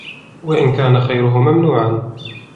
وَإِنْ كَانَ خَيْرُهُ مَمْنُوعًا